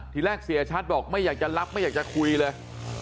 ทีแรกเสียชัดบอกไม่อยากจะรับไม่อยากจะคุยเลย